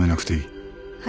はい。